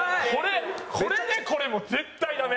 これでこれもう絶対ダメ。